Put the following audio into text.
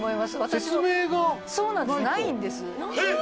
説明ないんです